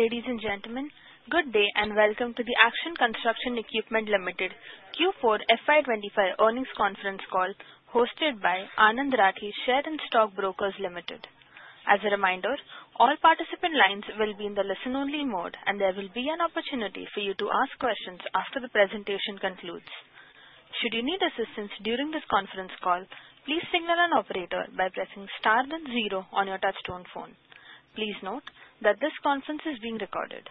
Ladies and gentlemen, good day and welcome to the Action Construction Equipment Limited Q4 FY2025 earnings conference call hosted by Anand Rathi Shares and Stock Brokers Limited. As a reminder, all participant lines will be in the listen-only mode, and there will be an opportunity for you to ask questions after the presentation concludes. Should you need assistance during this conference call, please signal an operator by pressing star then zero on your touch-tone phone. Please note that this conference is being recorded.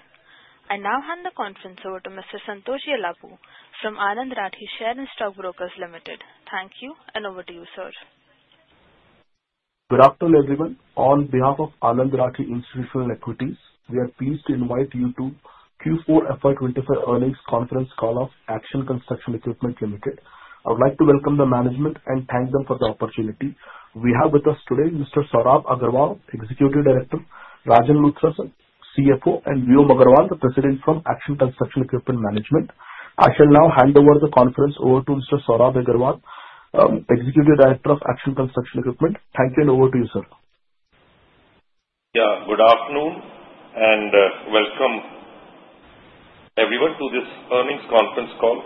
I now hand the conference over to Mr. Santoshi Ellapoo from Anand Rathi Shares and Stock Brokers Limited. Thank you, and over to you, sir. Good afternoon, everyone. On behalf of Anand Rathi Institutional Equities, we are pleased to invite you to Q4 FY2025 earnings conference call of Action Construction Equipment Limited. I would like to welcome the management and thank them for the opportunity. We have with us today Mr. Saurabh Agarwal, Executive Director, Rajan Luthra, CFO, and Vikas Agarwal, the President from Action Construction Equipment management. I shall now hand over the conference over to Mr. Sorab Agarwal, Executive Director of Action Construction Equipment. Thank you, and over to you, sir. Yeah, good afternoon and welcome everyone to this earnings conference call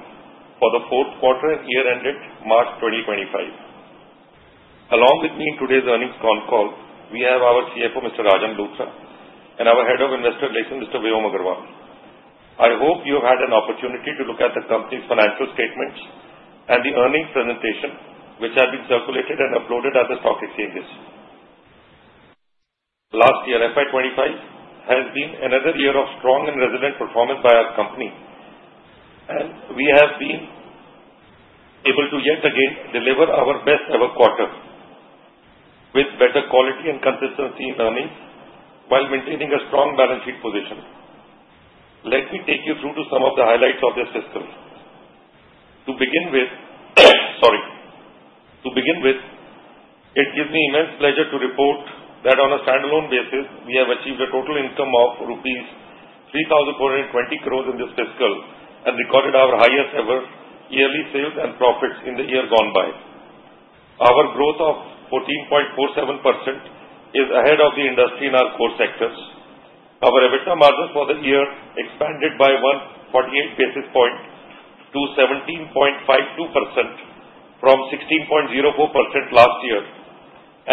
for the fourth quarter year-ended March 2025. Along with me in today's earnings con call, we have our CFO, Mr. Rajan Luthra, and our Head of Investor Relations, Mr. Vikas Agarwal. I hope you have had an opportunity to look at the company's financial statements and the earnings presentation, which have been circulated and uploaded at the stock exchanges. Last year, FY 2025 has been another year of strong and resilient performance by our company, and we have been able to yet again deliver our best ever quarter with better quality and consistency in earnings while maintaining a strong balance sheet position. Let me take you through to some of the highlights of this fiscal. To begin with, sorry, to begin with, it gives me immense pleasure to report that on a standalone basis, we have achieved a total income of rupees 3,420 crore in this fiscal and recorded our highest ever yearly sales and profits in the year gone by. Our growth of 14.47% is ahead of the industry in our core sectors. Our EBITDA margin for the year expanded by 148 basis points to 17.52% from 16.04% last year,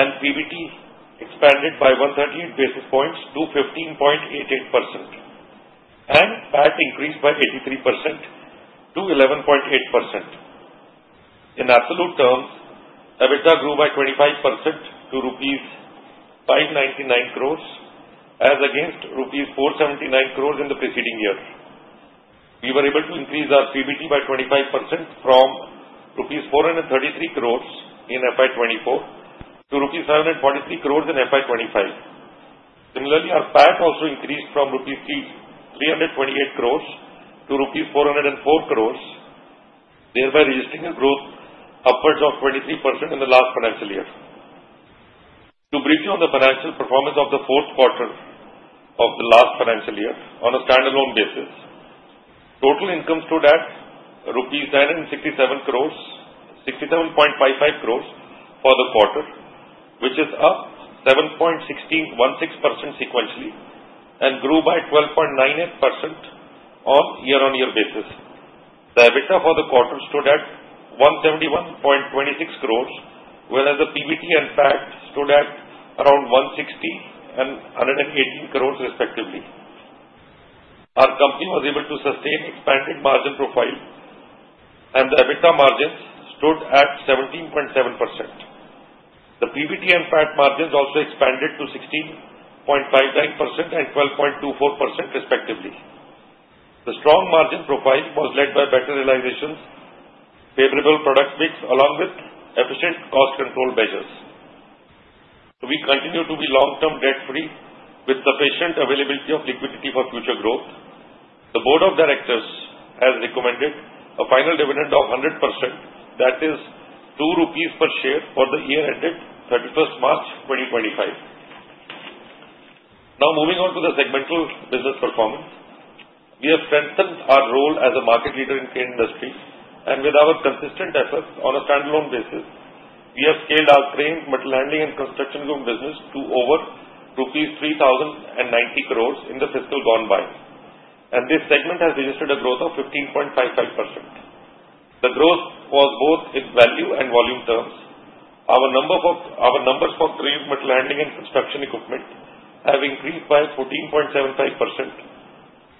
and PBT expanded by 138 basis points to 15.88%, and PAT increased by 83 basis points to 11.8%. In absolute terms, EBITDA grew by 25% to rupees 599 crore, as against rupees 479 crore in the preceding year. We were able to increase our PBT by 25% from rupees 433 crore in FY 2024 to rupees 743 crore in FY 2025. Similarly, our PAT also increased from rupees 328 crore to rupees 404 crore, thereby registering a growth upwards of 23% in the last financial year. To brief you on the financial performance of the fourth quarter of the last financial year on a standalone basis, total income stood at 967 crore rupees, 67.55 crore for the quarter, which is up 7.16% sequentially and grew by 12.98% on year-on-year basis. The EBITDA for the quarter stood at 171.26 crore, whereas the PBT and PAT stood at around 160 crore and 118 crore, respectively. Our company was able to sustain expanded margin profile, and the EBITDA margins stood at 17.7%. The PBT and PAT margins also expanded to 16.59% and 12.24%, respectively. The strong margin profile was led by better realizations, favorable product mix, along with efficient cost control measures. We continue to be long-term debt-free with sufficient availability of liquidity for future growth. The Board of Directors has recommended a final dividend of 100%, that is, 2 rupees per share for the year ended March 31, 2025. Now, moving on to the segmental business performance, we have strengthened our role as a market leader in the industry, and with our consistent efforts on a standalone basis, we have scaled our crane, material handling, and construction group business to over rupees 3,090 crore in the fiscal gone by, and this segment has registered a growth of 15.55%. The growth was both in value and volume terms. Our numbers for crane, material handling, and construction equipment have increased by 14.75%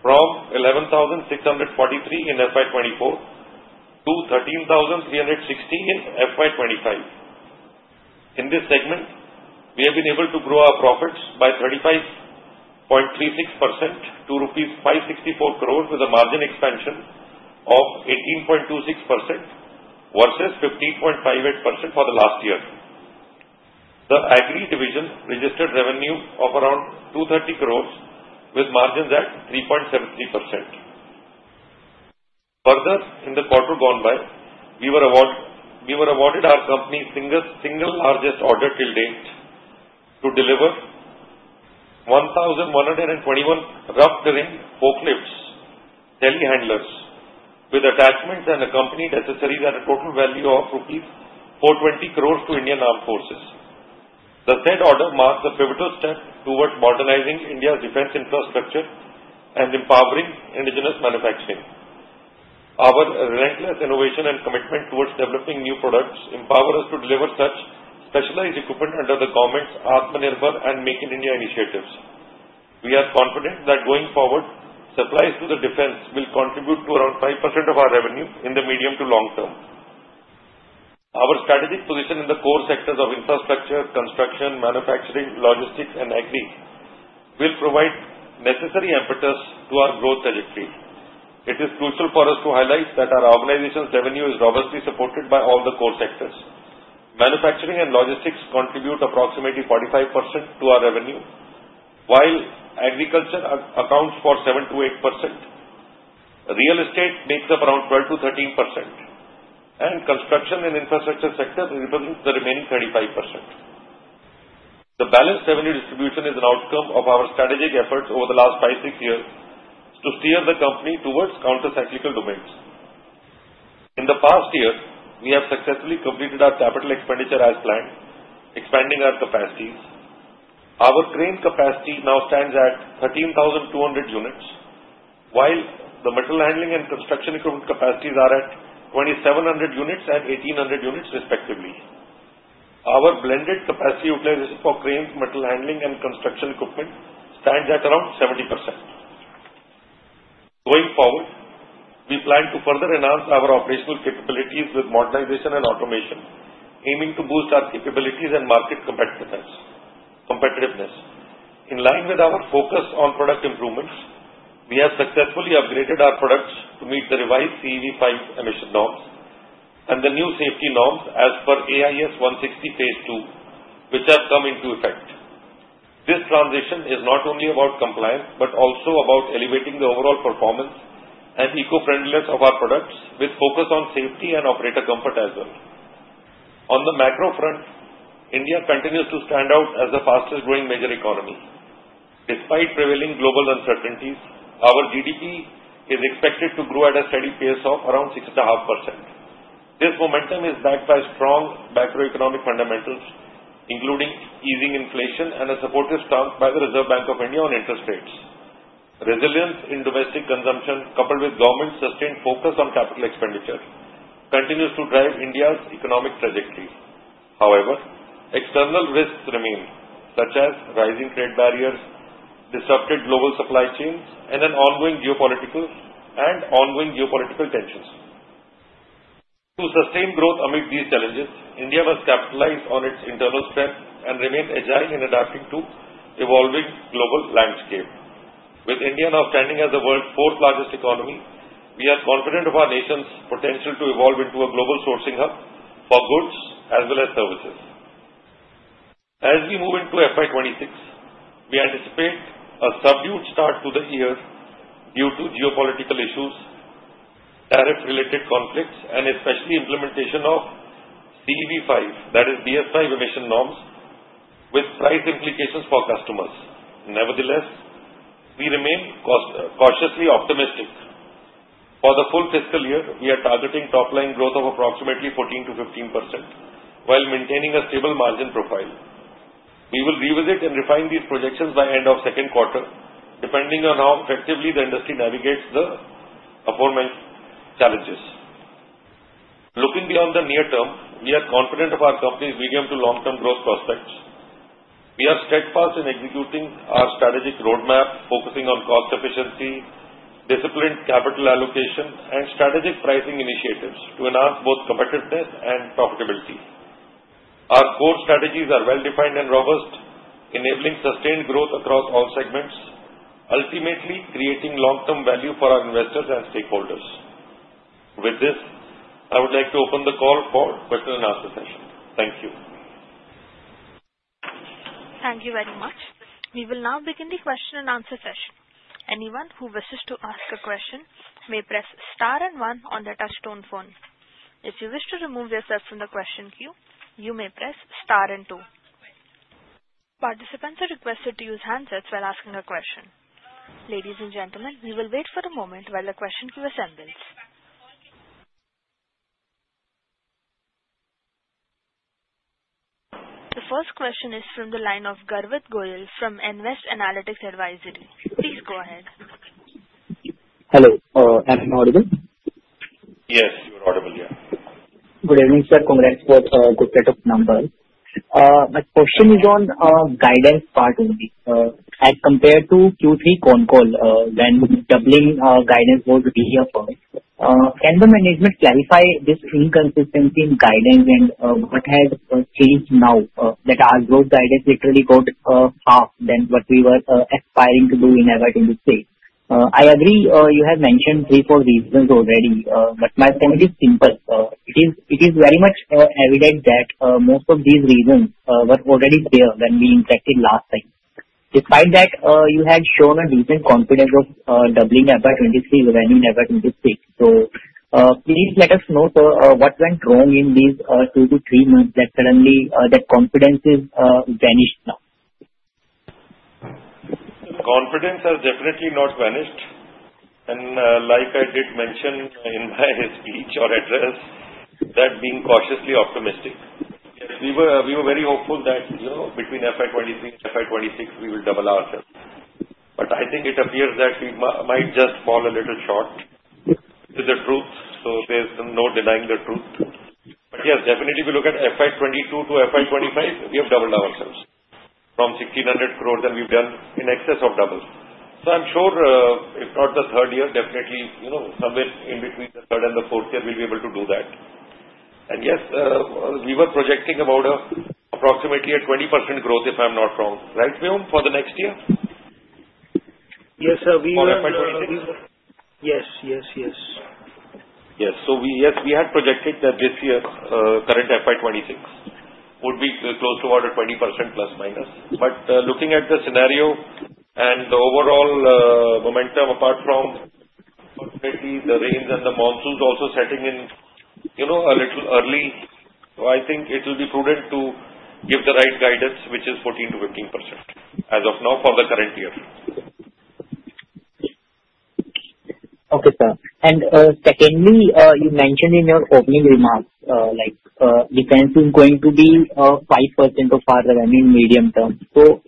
from 11,643 in FY 2024 to 13,360 in FY 2025. In this segment, we have been able to grow our profits by 35.36% to 564 crore with a margin expansion of 18.26% versus 15.58% for the last year. The agri division registered revenue of around 230 crore with margins at 3.73%. Further, in the quarter gone by, we were awarded our company's single largest order till date to deliver 1,121 rough terrain forklifts, telehandlers, with attachments and accompanying accessories at a total value of 420 crore rupees to Indian Armed Forces. The third order marks a pivotal step towards modernizing India's defense infrastructure and empowering indigenous manufacturing. Our relentless innovation and commitment towards developing new products empower us to deliver such specialized equipment under the government's Atma Nirbhar and Make in India initiatives. We are confident that going forward, supplies to the defense will contribute to around 5% of our revenue in the medium to long term. Our strategic position in the core sectors of infrastructure, construction, manufacturing, logistics, and agri will provide necessary impetus to our growth trajectory. It is crucial for us to highlight that our organization's revenue is robustly supported by all the core sectors. Manufacturing and logistics contribute approximately 45% to our revenue, while agriculture accounts for 7%-8%. Real estate makes up around 12%-13%, and construction and infrastructure sectors represent the remaining 35%. The balanced revenue distribution is an outcome of our strategic efforts over the last five, six years to steer the company towards countercyclical domains. In the past year, we have successfully completed our capital expenditure as planned, expanding our capacities. Our crane capacity now stands at 13,200 units, while the material handling and construction equipment capacities are at 2,700 units and 1,800 units, respectively. Our blended capacity utilization for cranes, material handling, and construction equipment stands at around 70%. Going forward, we plan to further enhance our operational capabilities with modernization and automation, aiming to boost our capabilities and market competitiveness. In line with our focus on product improvements, we have successfully upgraded our products to meet the revised CEV-5 emission norms and the new safety norms as per AIS 160 phase 2, which have come into effect. This transition is not only about compliance but also about elevating the overall performance and eco-friendliness of our products with focus on safety and operator comfort as well. On the macro front, India continues to stand out as the fastest-growing major economy. Despite prevailing global uncertainties, our GDP is expected to grow at a steady pace of around 6.5%. This momentum is backed by strong macroeconomic fundamentals, including easing inflation and a supportive stance by the Reserve Bank of India on interest rates. Resilience in domestic consumption, coupled with government-sustained focus on capital expenditure, continues to drive India's economic trajectory. However, external risks remain, such as rising trade barriers, disrupted global supply chains, and ongoing geopolitical tensions. To sustain growth amid these challenges, India must capitalize on its internal strength and remain agile in adapting to the evolving global landscape. With India now standing as the world's fourth-largest economy, we are confident of our nation's potential to evolve into a global sourcing hub for goods as well as services. As we move into FY 2026, we anticipate a subdued start to the year due to geopolitical issues, tariff-related conflicts, and especially the implementation of CEV-5, that is, BS-V emission norms, with price implications for customers. Nevertheless, we remain cautiously optimistic. For the full fiscal year, we are targeting top-line growth of approximately 14%-15% while maintaining a stable margin profile. We will revisit and refine these projections by the end of the second quarter, depending on how effectively the industry navigates the upcoming challenges. Looking beyond the near term, we are confident of our company's medium to long-term growth prospects. We are steadfast in executing our strategic roadmap, focusing on cost efficiency, disciplined capital allocation, and strategic pricing initiatives to enhance both competitiveness and profitability. Our core strategies are well-defined and robust, enabling sustained growth across all segments, ultimately creating long-term value for our investors and stakeholders. With this, I would like to open the call for the question and answer session. Thank you. Thank you very much. We will now begin the question and answer session. Anyone who wishes to ask a question may press star and one on the touch-tone phone. If you wish to remove yourself from the question queue, you may press star and two. Participants are requested to use handsets while asking a question. Ladies and gentlemen, we will wait for a moment while the question queue assembles. The first question is from the line of Garvit Goyal from Nvest Analytics Advisory. Please go ahead. Hello. Am I audible? Yes, you are audible, yeah. Good evening, sir. Congrats for the setup number. My question is on guidance part only. As compared to Q3 concall, when doubling guidance was reaffirmed, can the management clarify this inconsistency in guidance and what has changed now that our growth guidance literally got half than what we were aspiring to do in the event in this case? I agree you have mentioned three, four reasons already, but my point is simple. It is very much evident that most of these reasons were already there when we interacted last time. Despite that, you had shown a decent confidence of doubling FY 2023 revenue in FY 2026. So please let us know what went wrong in these two to three months that suddenly that confidence is vanished now. Confidence has definitely not vanished. Like I did mention in my speech or address, being cautiously optimistic. We were very hopeful that between FY 2023 and FY 2026, we will double ourselves. I think it appears that we might just fall a little short to the truth. There is no denying the truth. Yes, definitely, if you look at FY 2022 to FY 2025, we have doubled ourselves from 1,600 crore that we have done, in excess of double. I am sure if not the third year, definitely somewhere in between the third and the fourth year, we will be able to do that. Yes, we were projecting about approximately a 20% growth, if I am not wrong. Right, Vyom, for the next year? Yes, sir. We were. For FY 2023? Yes. Yes. Yes, we had projected that this year, current FY2026, would be close to about a 20% plus-minus. Looking at the scenario and the overall momentum, apart from ultimately the rains and the monsoons also setting in a little early, I think it will be prudent to give the right guidance, which is 14%-15% as of now for the current year. Okay, sir. Secondly, you mentioned in your opening remarks, defense is going to be 5% of our revenue in the medium term.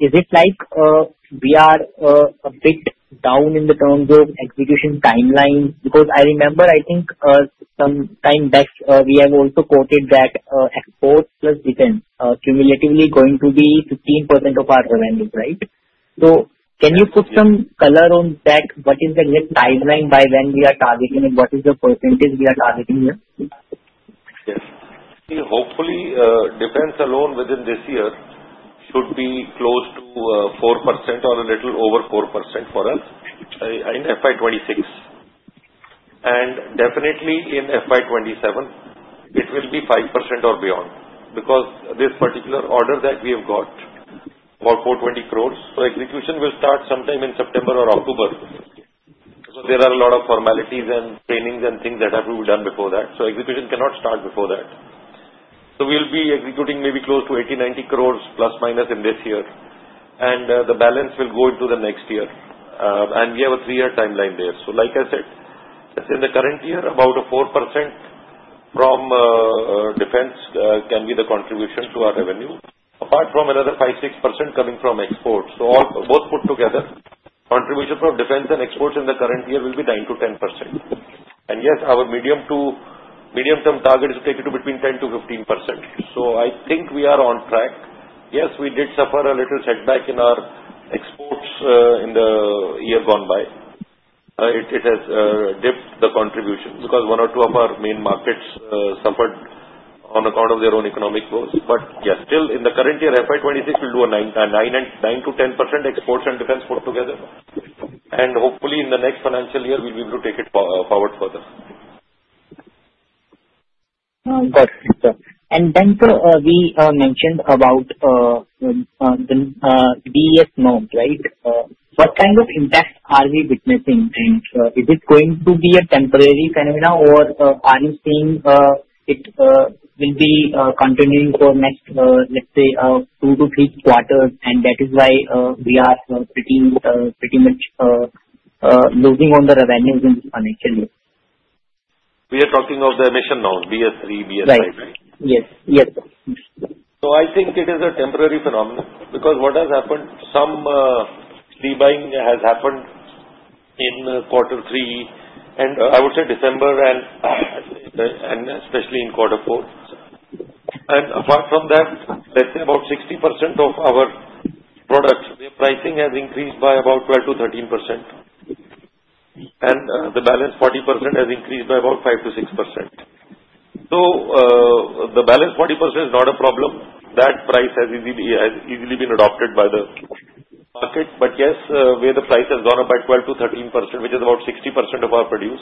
Is it like we are a bit down in terms of execution timeline? I remember, I think sometime back, we have also quoted that exports plus defense cumulatively are going to be 15% of our revenues, right? Can you put some color on that? What is the exact timeline by when we are targeting it? What is the percentage we are targeting here? Yes. Hopefully, defense alone within this year should be close to 4% or a little over 4% for us in FY2026. Definitely in FY2027, it will be 5% or beyond because this particular order that we have got for 420 crore, execution will start sometime in September or October. There are a lot of formalities and trainings and things that have to be done before that. Execution cannot start before that. We will be executing maybe close to 80-90 crore plus-minus in this year. The balance will go into the next year. We have a three-year timeline there. Like I said, just in the current year, about 4% from defense can be the contribution to our revenue, apart from another 5%-6% coming from exports. Both put together, contribution from defense and exports in the current year will be 9%-10%. Yes, our medium-term target is to take it to between 10%-15%. I think we are on track. Yes, we did suffer a little setback in our exports in the year gone by. It has dipped the contribution because one or two of our main markets suffered on account of their own economic growth. Yes, still in the current year, FY2026 will do a 9%-10% exports and defense put together. Hopefully, in the next financial year, we'll be able to take it forward further. Got it, sir. Sir, we mentioned about the CEV-5 norms, right? What kind of impact are we witnessing? Is it going to be a temporary phenomenon, or are you seeing it will be continuing for the next, let's say, two to three quarters? That is why we are pretty much losing on the revenues in this financial year? We are talking of the emission norms, BS-III, BS-V, right? Yes. I think it is a temporary phenomenon because what has happened, some rebuying has happened in quarter three, and I would say December, and especially in quarter four. Apart from that, let's say about 60% of our product, the pricing has increased by about 12%-13%. The balance 40% has increased by about 5%-6%. The balance 40% is not a problem. That price has easily been adopted by the market. Yes, where the price has gone up by 12%-13%, which is about 60% of our produce.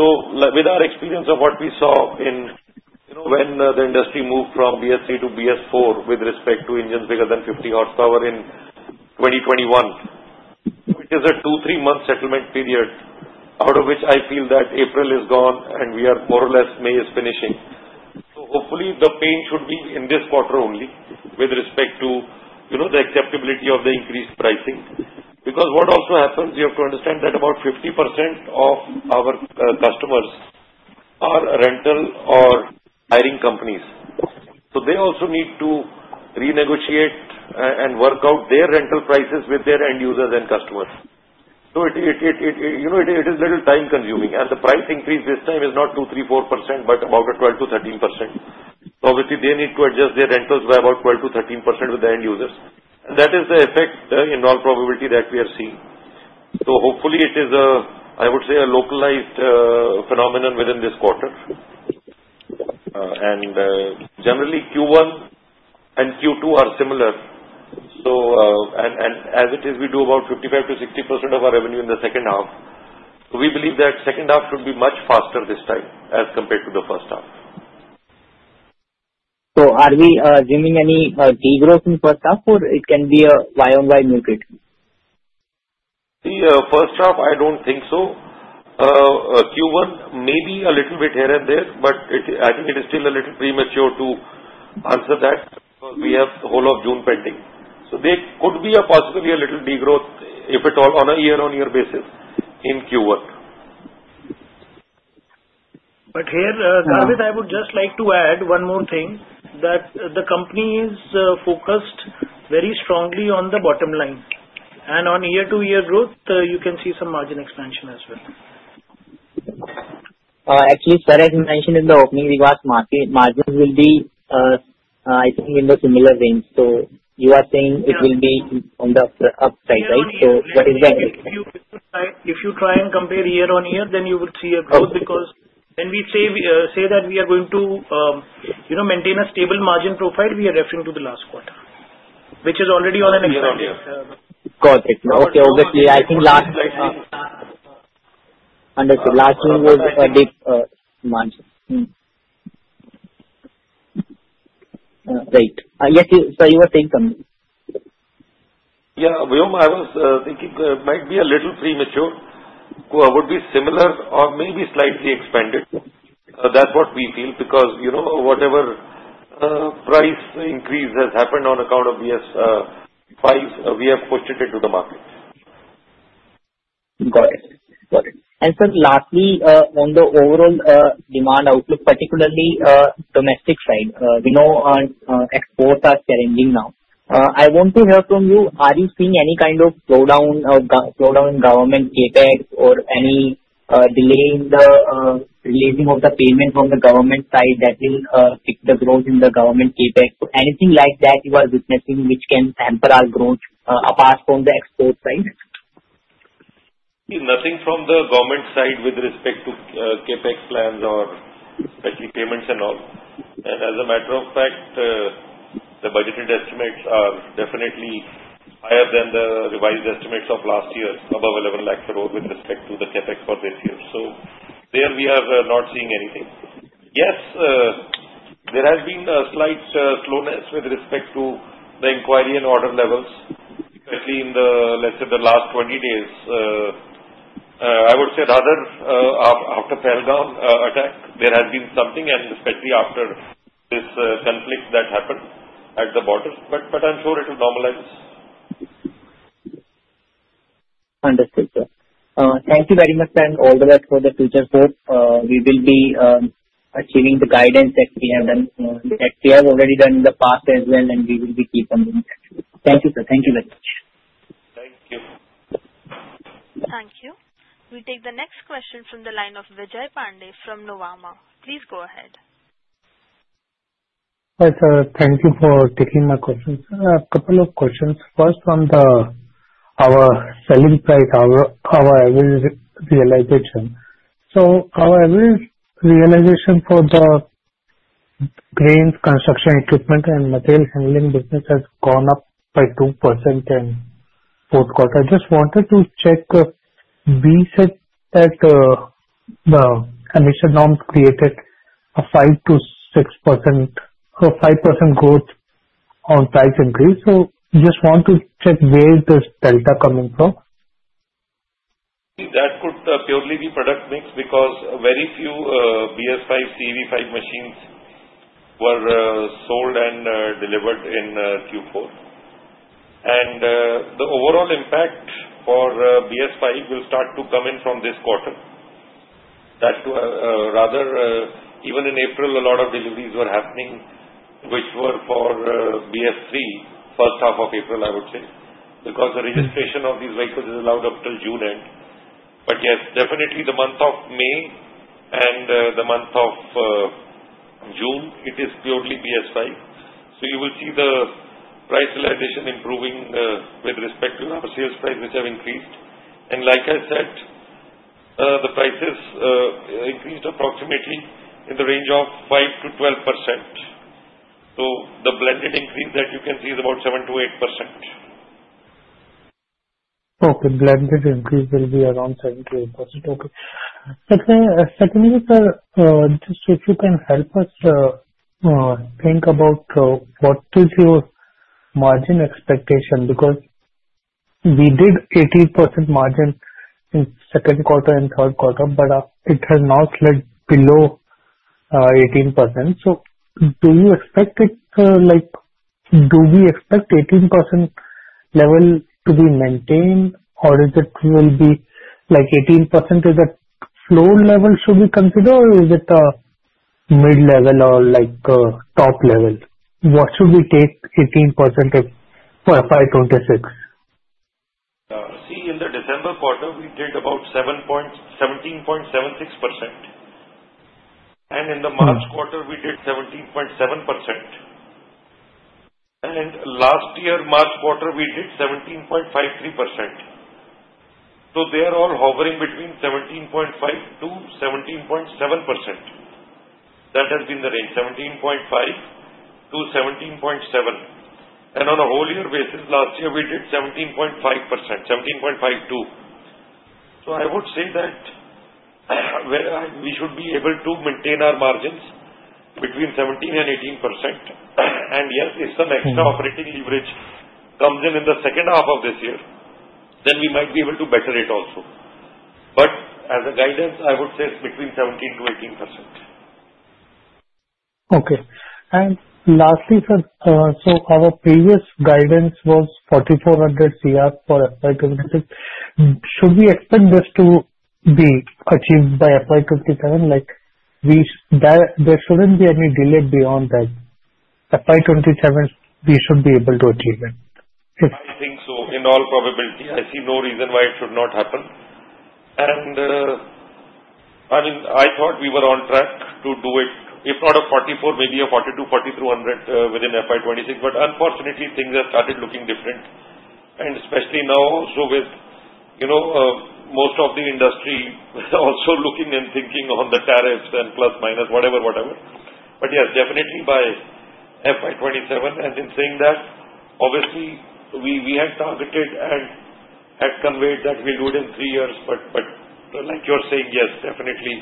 With our experience of what we saw when the industry moved from BS-III to BS-IV with respect to engines bigger than 50 horsepower in 2021, it is a two to three-month settlement period, out of which I feel that April is gone, and we are more or less May is finishing. Hopefully, the pain should be in this quarter only with respect to the acceptability of the increased pricing. Because what also happens, you have to understand that about 50% of our customers are rental or hiring companies. They also need to renegotiate and work out their rental prices with their end users and customers. It is a little time-consuming. The price increase this time is not 2%, 3%, 4%, but about 12%-13%. Obviously, they need to adjust their rentals by about 12%-13% with the end users. That is the effect in all probability that we are seeing. Hopefully, it is, I would say, a localized phenomenon within this quarter. Generally, Q1 and Q2 are similar. As it is, we do about 55%-60% of our revenue in the second half. We believe that second half should be much faster this time as compared to the first half. Are we assuming any degrowth in the first half, or it can be a year-on-year mutated? The first half, I don't think so. Q1 may be a little bit here and there, but I think it is still a little premature to answer that because we have the whole of June pending. There could be a possibility of a little degrowth, if at all, on a year-on-year basis in Q1. Here, Garvit, I would just like to add one more thing, that the company is focused very strongly on the bottom line. On year-to-year growth, you can see some margin expansion as well. Actually, sir, as you mentioned in the opening, because margins will be, I think, in the similar range. You are saying it will be on the upside, right? What is the end result? If you try and compare year-on-year, then you will see a growth because when we say that we are going to maintain a stable margin profile, we are referring to the last quarter, which is already on an year-on year. Got it. Okay, obviously, I think last. Understood. Last year was a deep margin. Great. Yes, sir, you were saying something. Yeah, Vyom, I was thinking it might be a little premature. It would be similar or maybe slightly expanded. That's what we feel because whatever price increase has happened on account of BS-V, we have pushed it into the market. Got it. Got it. Sir, lastly, on the overall demand outlook, particularly domestic side, we know exports are challenging now. I want to hear from you, are you seeing any kind of slowdown in government CAPEX or any delay in the releasing of the payment from the government side that will kick the growth in the government CAPEX? Anything like that you are witnessing which can hamper our growth apart from the export side? Nothing from the government side with respect to CAPEX plans or especially payments and all. As a matter of fact, the budgeted estimates are definitely higher than the revised estimates of last year, above 11 lakh crore with respect to the CAPEX for this year. There, we are not seeing anything. Yes, there has been a slight slowness with respect to the inquiry and order levels, especially in the, let's say, the last 20 days. I would say rather after the Pehelgam attack, there has been something, and especially after this conflict that happened at the borders. I am sure it will normalize. Understood, sir. Thank you very much, sir, and all the best for the future. Hope we will be achieving the guidance that we have done, that we have already done in the past as well, and we will keep on doing that. Thank you, sir. Thank you very much. Thank you. Thank you. We take the next question from the line of Vijay Pandey from Nuvama. Please go ahead. Hi, sir. Thank you for taking my questions. A couple of questions. First, on our selling price, our average realization. So our average realization for the cranes, construction equipment, and material handling business has gone up by 2% in fourth quarter. I just wanted to check. We said that the emission norms created a 5%-6% growth on price increase. I just want to check where is this delta coming from? That could purely be product mix because very few BS-V, CEV-5 machines were sold and delivered in Q4. The overall impact for BS-V will start to come in from this quarter. Rather, even in April, a lot of deliveries were happening, which were for BS-III, first half of April, I would say, because the registration of these vehicles is allowed up till June end. Yes, definitely the month of May and the month of June, it is purely BS-V. You will see the price realization improving with respect to our sales price, which have increased. Like I said, the prices increased approximately in the range of 5%-12%. The blended increase that you can see is about 7%-8%. Okay. Blended increase will be around 7%-8%. Okay. Secondly, sir, just if you can help us think about what is your margin expectation because we did 18% margin in second quarter and third quarter, but it has now slid below 18%. Do you expect it? Do we expect 18% level to be maintained, or will it be like 18%? Is that floor level should be considered, or is it a mid-level or top level? What should we take 18% for FY2026? See, in the December quarter, we did about 17.76%. In the March quarter, we did 17.7%. Last year, March quarter, we did 17.53%. They are all hovering between 17.5%-17.7%. That has been the range: 17.5%-17.7%. On a whole year basis, last year, we did 17.5%, 17.52%. I would say that we should be able to maintain our margins between 17%-18%. Yes, if some extra operating leverage comes in in the second half of this year, we might be able to better it also. As a guidance, I would say it is between 17%-18%. Okay. Lastly, sir, our previous guidance was INR 4,400 crore for FY 2026. Should we expect this to be achieved by FY 2027? There should not be any delay beyond that. FY 2027, we should be able to achieve it. I think so. In all probability, I see no reason why it should not happen. I mean, I thought we were on track to do it, if not a 4,400, maybe a 4,200, 4,300 within FY2026. Unfortunately, things have started looking different, especially now, with most of the industry also looking and thinking on the tariffs and plus-minus, whatever, whatever. Yes, definitely by FY2027. In saying that, obviously, we had targeted and had conveyed that we will do it in three years. Like you are saying, yes, definitely,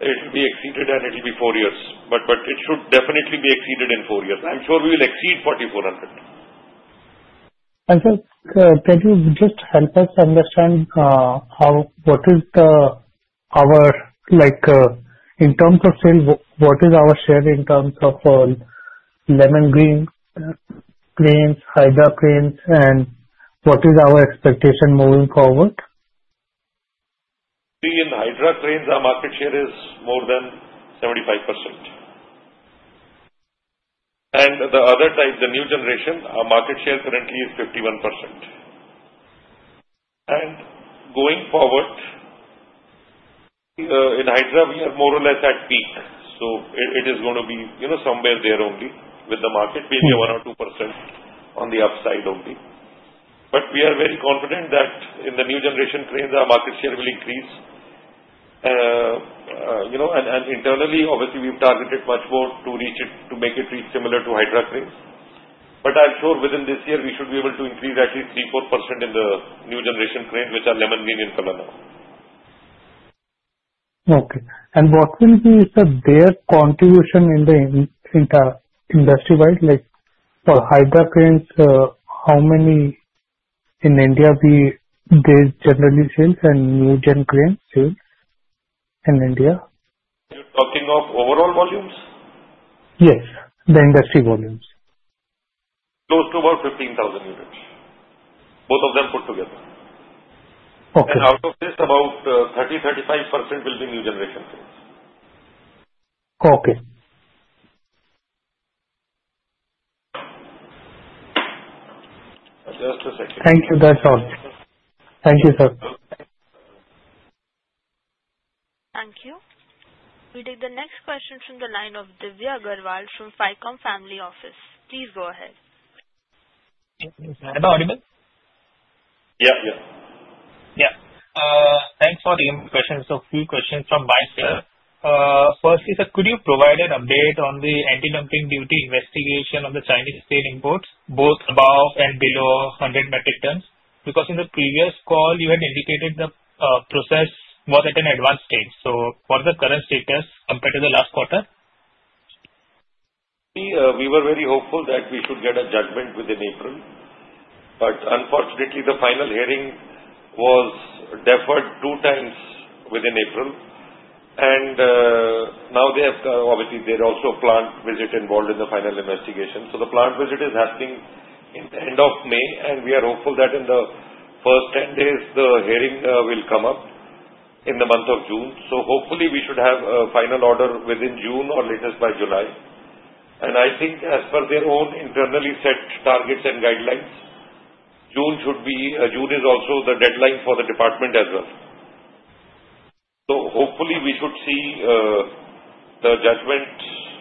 it will be exceeded, and it will be four years. It should definitely be exceeded in four years. I am sure we will exceed 4,400. Sir, can you just help us understand what is our, in terms of sales, what is our share in terms of lemon green cranes, Hydra cranes, and what is our expectation moving forward? In Hydra cranes, our market share is more than 75%. The other type, the new generation, our market share currently is 51%. Going forward, in Hydra, we are more or less at peak. It is going to be somewhere there only with the market being 1%-2% on the upside only. We are very confident that in the new generation cranes, our market share will increase. Internally, obviously, we've targeted much more to make it reach similar to Hydra cranes. I'm sure within this year, we should be able to increase at least 3%-4% in the new generation cranes, which are lemon green in color now. Okay. What will be their contribution in the industry-wide? For Hydra cranes, how many in India will be their generally sales and new gen cranes sales in India? You're talking of overall volumes? Yes, the industry volumes. Close to about 15,000 units, both of them put together. Out of this, about 30%-35% will be new generation cranes. Okay. Just a second. Thank you. That's all. Thank you, sir. Thank you. We take the next question from the line of Divy Agrawal from FICOM Family Office. Please go ahead. Hello, audible? Yeah, yeah. Yeah. Thanks for the questions. So a few questions from my side. Firstly, sir, could you provide an update on the anti-dumping duty investigation on the Chinese steel imports, both above and below 100 metric tons? Because in the previous call, you had indicated the process was at an advanced stage. What is the current status compared to the last quarter? We were very hopeful that we should get a judgment within April. Unfortunately, the final hearing was deferred two times within April. Now, obviously, there are also plant visits involved in the final investigation. The plant visit is happening in the end of May. We are hopeful that in the first 10 days, the hearing will come up in the month of June. Hopefully, we should have a final order within June or latest by July. I think, as per their own internally set targets and guidelines, June is also the deadline for the department as well. Hopefully, we should see the judgment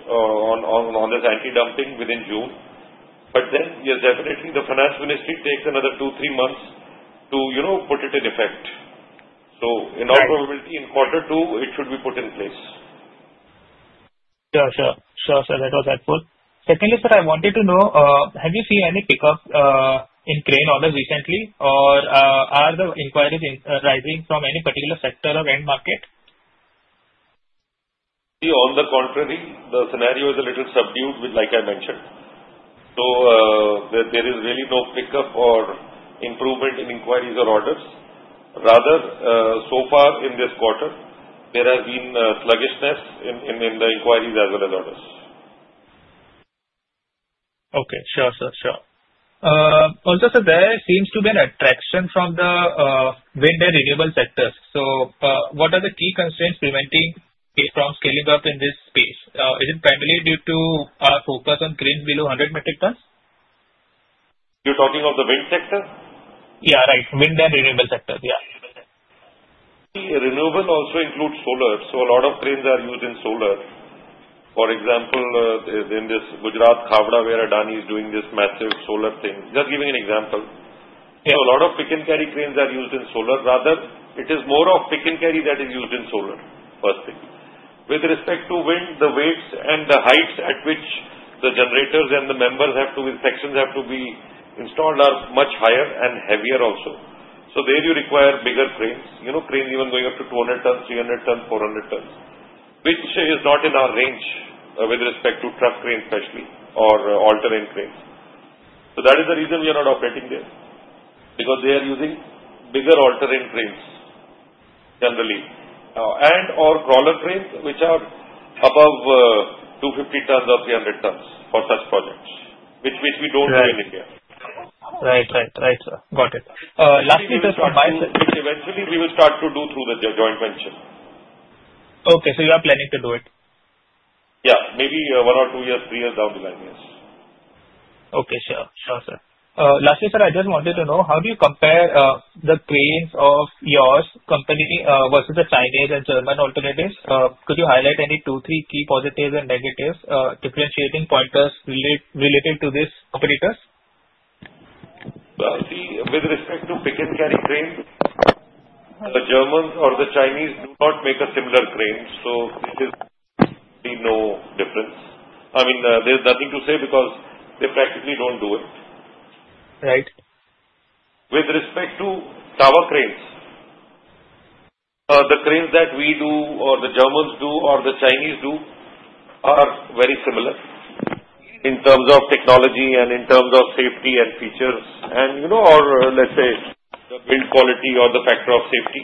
on this anti-dumping within June. Yes, definitely, the finance ministry takes another two-three months to put it in effect. In all probability, in quarter two, it should be put in place. Sure, sure. Sure, sir. That was helpful. Secondly, sir, I wanted to know, have you seen any pickup in crane orders recently, or are the inquiries arising from any particular sector or end market? See, on the contrary, the scenario is a little subdued, like I mentioned. There is really no pickup or improvement in inquiries or orders. Rather, so far in this quarter, there has been sluggishness in the inquiries as well as orders. Okay. Sure, sure, sure. Also, sir, there seems to be an attraction from the wind and renewable sectors. What are the key constraints preventing from scaling up in this space? Is it primarily due to our focus on cranes below 100 metric tons? You're talking of the wind sector? Yeah, right. Wind and renewable sector, yeah. Renewable also includes solar. A lot of cranes are used in solar. For example, in Gujarat, Khawda, where Adani is doing this massive solar thing, just giving an example. A lot of pick and carry cranes are used in solar. Rather, it is more of pick and carry that is used in solar, first thing. With respect to wind, the weights and the heights at which the generators and the members have to be, sections have to be installed, are much higher and heavier also. There you require bigger cranes, cranes even going up to 200 tons, 300 tons, 400 tons, which is not in our range with respect to truck cranes especially or all-terrain cranes. That is the reason we are not operating there because they are using bigger all-terrain cranes generally and/or crawler cranes, which are above 250 tons or 300 tons for such projects, which we do not do in India. Right, right, right, sir. Got it. Lastly, sir, from my side. Which eventually we will start to do through the joint venture. Okay. So you are planning to do it? Yeah. Maybe one or two years, three years down the line, yes. Okay. Sure, sure, sir. Lastly, sir, I just wanted to know, how do you compare the cranes of your company versus the Chinese and German alternatives? Could you highlight any two, three key positives and negatives, differentiating pointers related to these competitors? See, with respect to pick and carry cranes, the Germans or the Chinese do not make a similar crane. This is no difference. I mean, there's nothing to say because they practically don't do it. Right. With respect to tower cranes, the cranes that we do or the Germans do or the Chinese do are very similar in terms of technology and in terms of safety and features and, let's say, the build quality or the factor of safety.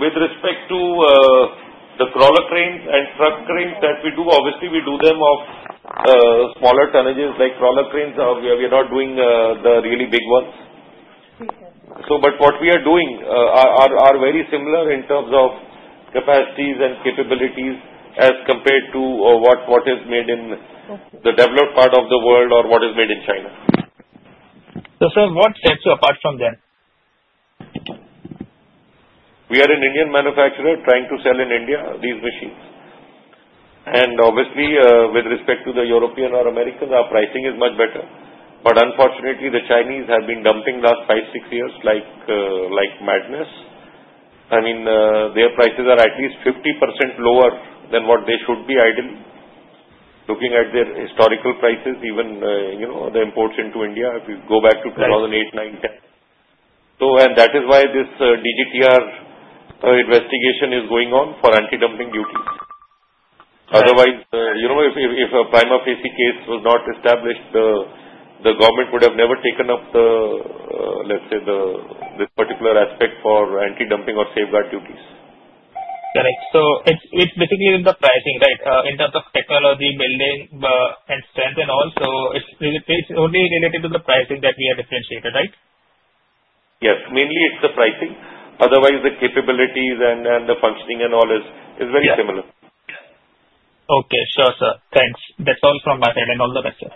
With respect to the crawler cranes and truck cranes that we do, obviously, we do them of smaller tonnages like crawler cranes. We are not doing the really big ones. What we are doing are very similar in terms of capacities and capabilities as compared to what is made in the developed part of the world or what is made in China. Sir, what sets you apart from them? We are an Indian manufacturer trying to sell in India these machines. Obviously, with respect to the European or American, our pricing is much better. Unfortunately, the Chinese have been dumping last five, six years like madness. I mean, their prices are at least 50% lower than what they should be ideally, looking at their historical prices, even the imports into India, if you go back to 2008, 2009, 2010. That is why this DGTR investigation is going on for anti-dumping duty. Otherwise, if a prima facie case was not established, the government would have never taken up, let's say, this particular aspect for anti-dumping or safeguard duties. Correct. It's basically in the pricing, right, in terms of technology building and strength and all. It's only related to the pricing that we are differentiated, right? Yes. Mainly, it's the pricing. Otherwise, the capabilities and the functioning and all is very similar. Okay. Sure, sir. Thanks. That is all from my side. All the best, sir.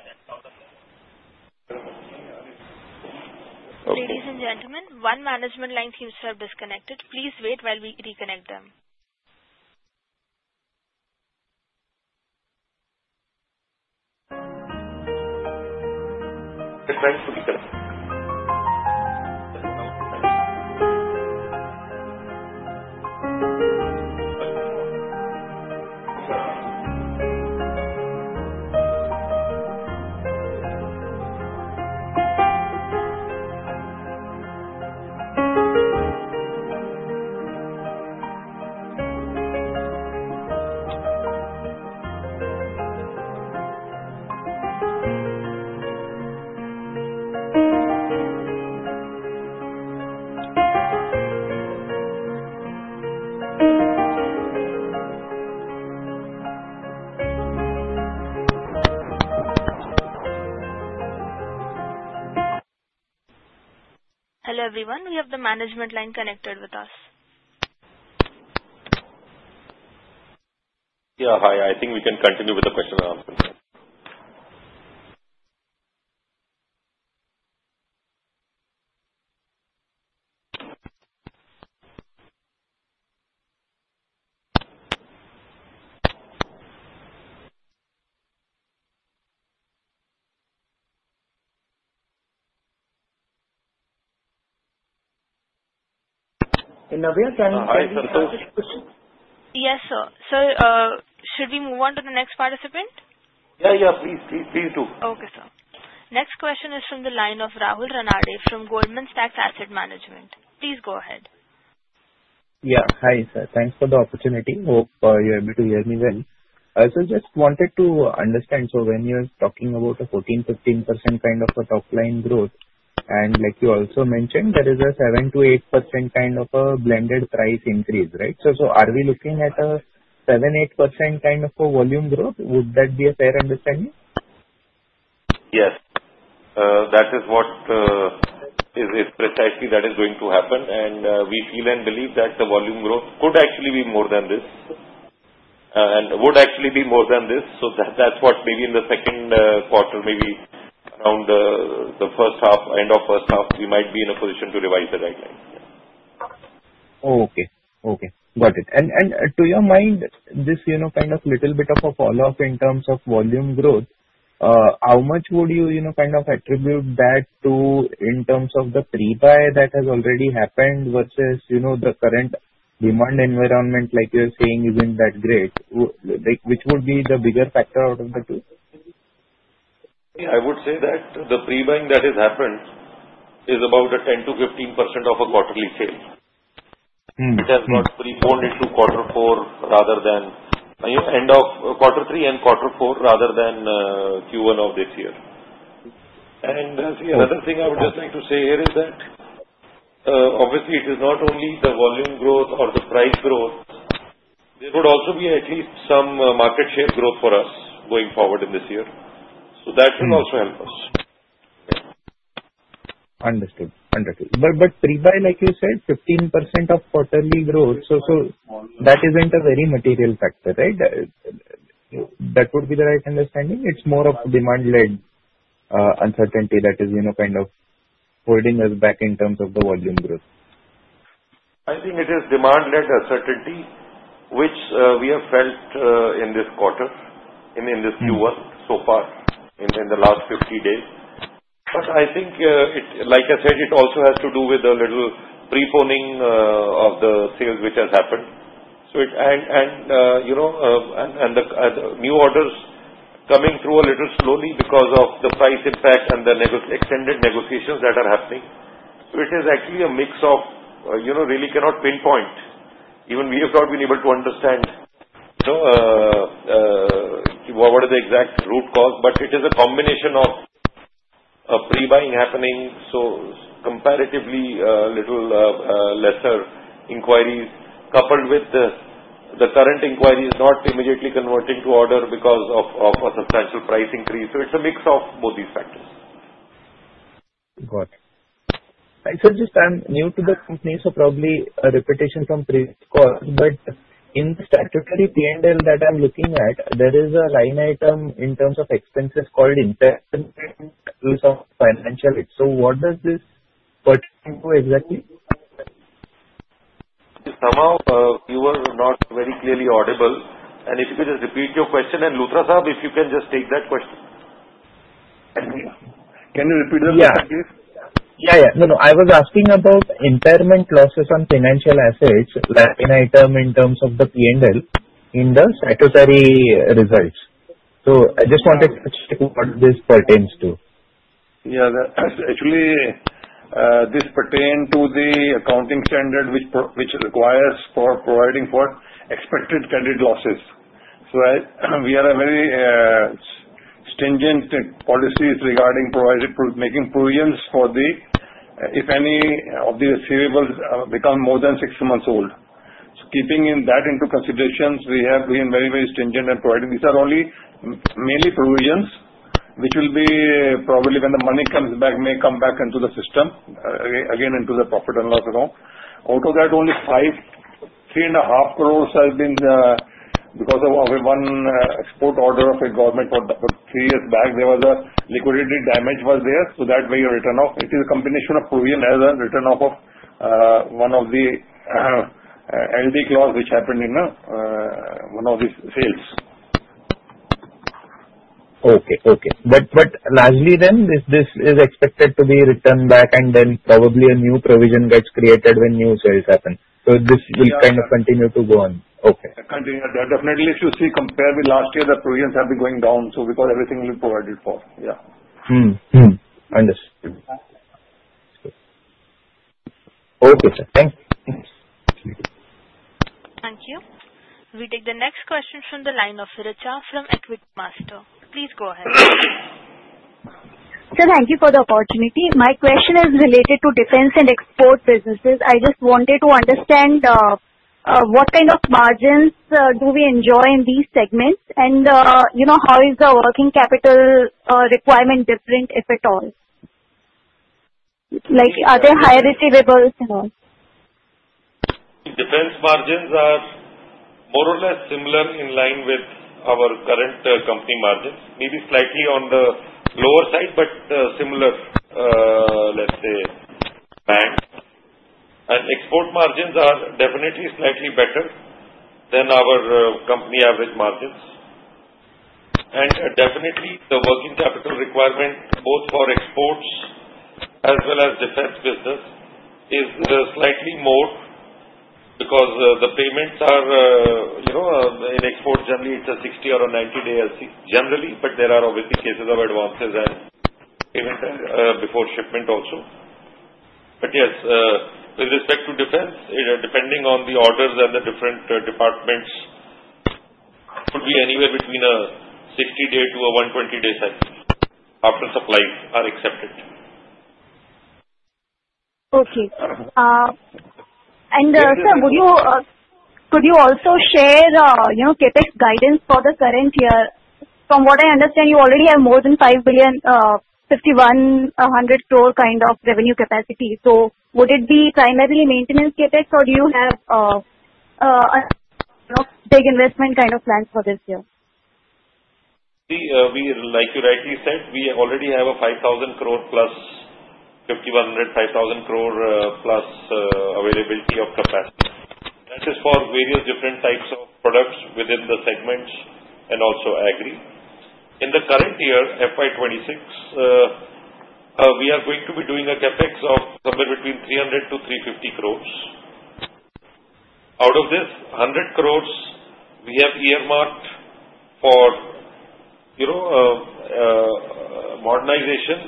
Ladies and gentlemen, one management line seems to have disconnected. Please wait while we reconnect them. Hello everyone. We have the management line connected with us. Yeah, hi. I think we can continue with the question and answer. Nabeel, can I ask a question? Yes, sir. Sir, should we move on to the next participant? Yeah, please do. Okay, sir. Next question is from the line of Rahul Ranade from Goldman Sachs Asset Management. Please go ahead. Yeah, hi, sir. Thanks for the opportunity. Hope you're able to hear me well. I also just wanted to understand, when you're talking about a 14-15% kind of a top-line growth, and like you also mentioned, there is a 7-8% kind of a blended price increase, right? Are we looking at a 7-8% kind of a volume growth? Would that be a fair understanding? Yes. That is what is precisely that is going to happen. We feel and believe that the volume growth could actually be more than this and would actually be more than this. That is what maybe in the second quarter, maybe around the end of first half, we might be in a position to revise the guidelines. Okay. Okay. Got it. To your mind, this kind of little bit of a falloff in terms of volume growth, how much would you kind of attribute that to in terms of the pre-buy that has already happened versus the current demand environment, like you're saying, is not that great? Which would be the bigger factor out of the two? I would say that the pre-buying that has happened is about 10%-15% of a quarterly sale. It has got pre-folded to quarter four rather than end of quarter three and quarter four rather than Q1 of this year. Another thing I would just like to say here is that, obviously, it is not only the volume growth or the price growth. There would also be at least some market share growth for us going forward in this year. That will also help us. Understood. Understood. But pre-buy, like you said, 15% of quarterly growth. So that isn't a very material factor, right? That would be the right understanding? It's more of demand-led uncertainty that is kind of holding us back in terms of the volume growth. I think it is demand-led uncertainty, which we have felt in this quarter, in this Q1 so far in the last 50 days. I think, like I said, it also has to do with a little pre-poning of the sales which has happened. The new orders are coming through a little slowly because of the price impact and the extended negotiations that are happening. It is actually a mix of really cannot pinpoint. Even we have not been able to understand what are the exact root cause. It is a combination of pre-buying happening, so comparatively a little lesser inquiries coupled with the current inquiries not immediately converting to order because of a substantial price increase. It is a mix of both these factors. Got it. I sir, just I'm new to the company, so probably a repetition from previous calls. But in the statutory P&L that I'm looking at, there is a line item in terms of expenses called income in terms of financial. So what does this pertain to exactly? Somehow, you were not very clearly audible. If you could just repeat your question. Luthra Sahib, if you can just take that question. Can you repeat the question, please? Yeah, yeah. No, no. I was asking about impairment losses on financial assets, line item in terms of the P&L in the statutory results. I just wanted to check what this pertains to. Yeah. Actually, this pertains to the accounting standard which requires for providing for expected credit losses. We are very stringent policies regarding making provisions for the if any of the receivables become more than six months old. Keeping that into consideration, we have been very, very stringent in providing. These are only mainly provisions which will be probably when the money comes back, may come back into the system again into the profit and loss account. Out of that, only 3.5 crore have been because of one export order of the government three years back. There was a liquidity damage was there. That way, your return of it is a combination of provision as a return off of one of the LD clause which happened in one of these sales. Okay, okay. Largely then, this is expected to be returned back, and then probably a new provision gets created when new sales happen. This will kind of continue to go on. Okay. Continue. Definitely, if you see compared with last year, the provisions have been going down. Because everything will be provided for. Yeah. Understood. Okay, sir. Thank you. Thank you. We take the next question from the line of Richard from Equitymaster. Please go ahead. Sir, thank you for the opportunity. My question is related to defense and export businesses. I just wanted to understand what kind of margins do we enjoy in these segments, and how is the working capital requirement different, if at all? Are there higher receivables and all? Defense margins are more or less similar in line with our current company margins. Maybe slightly on the lower side, but similar, let's say, band. Export margins are definitely slightly better than our company average margins. Definitely, the working capital requirement both for exports as well as defense business is slightly more because the payments are in export, generally, it's a 60- or a 90-day LC generally, but there are obviously cases of advances and payment before shipment also. Yes, with respect to defense, depending on the orders and the different departments, it could be anywhere between a 60-day to a 120-day cycle after supplies are accepted. Okay. Sir, could you also share CAPEX guidance for the current year? From what I understand, you already have more than 5 billion, 5,100 crore kind of revenue capacity. Would it be primarily maintenance CAPEX, or do you have a big investment kind of plan for this year? Like you rightly said, we already have a 5,000 crore-plus, 5,100, 5,000 crore-plus availability of capacity. That is for various different types of products within the segments and also agri. In the current year, FY 2026, we are going to be doing a CapEx of somewhere between 300-350 crore. Out of this, 100 crore, we have earmarked for modernization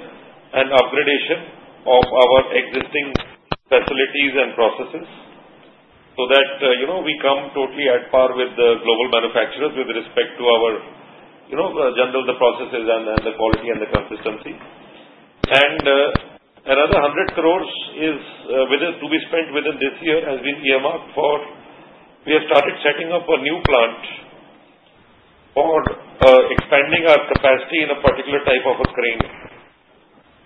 and upgradation of our existing facilities and processes so that we come totally at par with the global manufacturers with respect to our general processes and the quality and the consistency. Another 100 crore to be spent within this year has been earmarked for, we have started setting up a new plant for expanding our capacity in a particular type of a crane.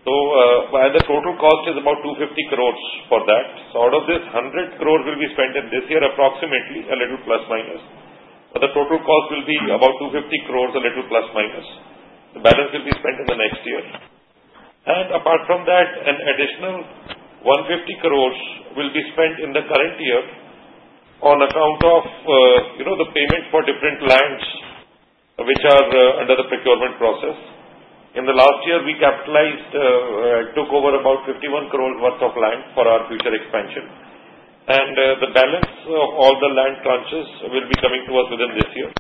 The total cost is about 250 crore for that. Out of this, 100 crore will be spent in this year approximately, a little plus minus. The total cost will be about 250 crore, a little plus minus. The balance will be spent in the next year. Apart from that, an additional 150 crore will be spent in the current year on account of the payment for different lines which are under the procurement process. In the last year, we capitalized, took over about 51 crore worth of land for our future expansion. The balance of all the land tranches will be coming to us within this year.